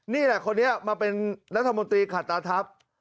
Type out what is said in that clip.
นี่แหละคนนี้มาเป็นรัฐมนตรีขัดตาทัพ